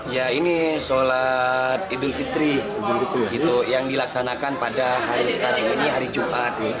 ya ini sholat idul fitri yang dilaksanakan pada hari sekarang ini hari jumat